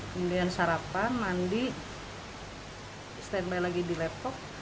kemudian sarapan mandi stand by lagi di laptop